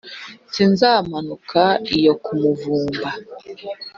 sinzamanuka iyo ku muvumba